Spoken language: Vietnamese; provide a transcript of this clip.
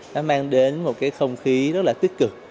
nó mang đến một cái không khí rất là tích cực